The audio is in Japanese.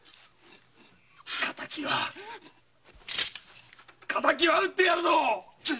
敵は敵は討ってやるぞ！